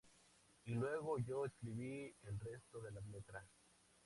Y luego yo escribí el resto de la letra.